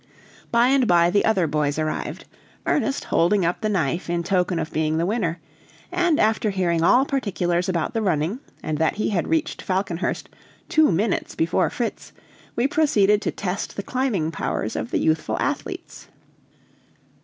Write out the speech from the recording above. By and by the other boys arrived, Ernest holding up the knife in token of being the winner; and after hearing all particulars about the running, and that he had reached Falconhurst two minutes before Fritz, we proceeded to test the climbing powers of the youthful athletes.